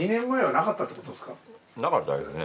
なかったですね。